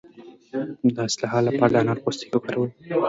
د اسهال لپاره د انارو پوستکی وکاروئ